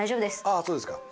あそうですか。